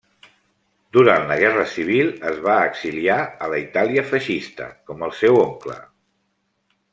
Durant la Guerra civil, es va exiliar a la Itàlia feixista, com el seu oncle.